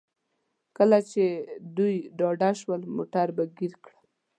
کله چې دوی ډاډه شول موټر به ګیر کړم.